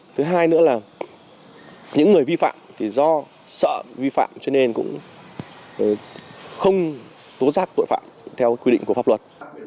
thứ hai nữa là những người vi phạm thì do sợ vi phạm cho nên cũng không tố giác tội phạm theo quy định của pháp luật